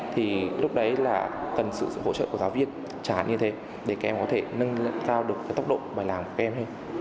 thì lúc đấy là cần sự hỗ trợ của giáo viên chán như thế để các em có thể nâng cao được tốc độ bài làm của các em